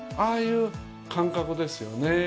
ああいう感覚ですよね。